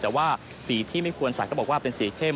แต่ว่าสีที่ไม่ควรใส่ก็บอกว่าเป็นสีเข้ม